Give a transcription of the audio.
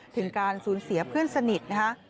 ถึงการสูญเสียเพื่อนสนิทนะคะ